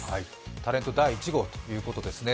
タレント第１号ということですね。